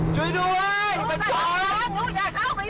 ช่วยดูเว้ยมันโจรนะดูอย่าเข้ากันอีกสิ